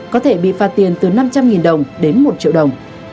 có thể bị phạt tiền từ năm trăm linh đồng đến một triệu đồng